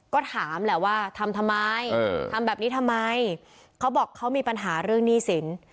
ก็ถามแหละว่าทำทำไมทำแบบนี้ทำไมเขาบอกเขามีปัญหาเรื่องหนี้สิน